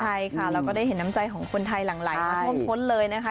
ใช่ค่ะแล้วก็ได้เห็นน้ำใจของคนไทยหลังไหลมาท่วมท้นเลยนะคะ